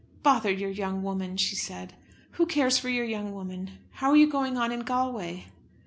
"Bother your young woman," she said; "who cares for your young woman! How are you going on in Galway?"